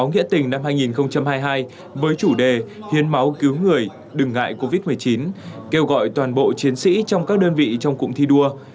cụm thi đua số bốn đã xây dựng kế hoạch phát động chương trình hiến máu tỉnh nguyện giọt máu nghĩa tình năm hai nghìn hai mươi hai với chủ đề hiến máu cứu người đừng ngại covid một mươi chín kêu gọi toàn bộ chiến sĩ trong các đơn vị trong cụm thi đua